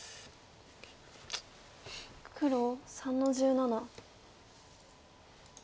黒３の十七。